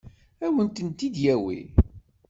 Ad wen-tent-id-yawi?